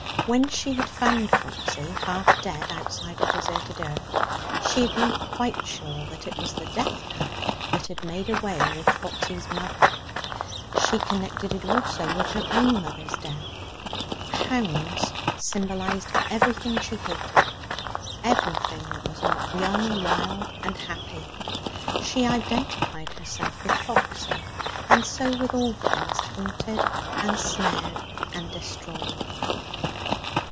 When she had found Foxy half dead outside her deserted earth, she had been quite sure that it was the death pack that had made away with Foxy's mother. She connected it also with her own mother's death. Hounds symbolized everything she hated, everything that was not young, wild and happy. She identified herself with Foxy, and so with all things hunted and snared and destroyed.